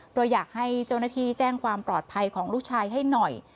โดยอยากให้เจ้าหน้าที่แจ้งความปลอดภัยของลูกชายให้หน่อย